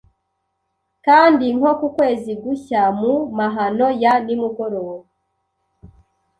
Kandi nko ku kwezi gushya mu mahano ya nimugoroba